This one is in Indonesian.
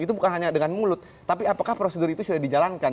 itu bukan hanya dengan mulut tapi apakah prosedur itu sudah dijalankan